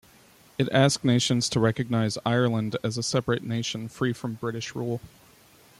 It asked nations to recognise Ireland as a separate nation, free from British rule.